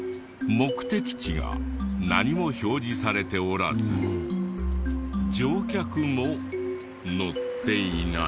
目的地が何も表示されておらず乗客も乗っていない。